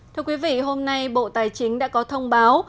thưa quý vị hôm nay bộ tài chính đã có thông báo